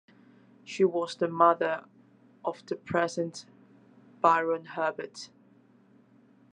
She was the mother of the present Baron Herbert.